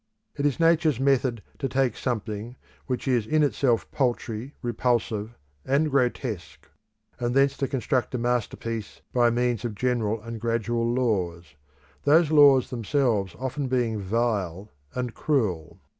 It is Nature's method to take something which is in itself paltry, repulsive, and grotesque, and thence to construct a masterpiece by means of general and gradual laws; those laws themselves being often vile and cruel.